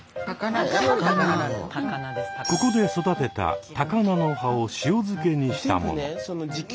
ここで育てた高菜の葉を塩漬けにしたもの。